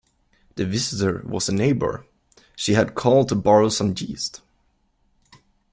The visitor was a neighbour; she had called to borrow some yeast.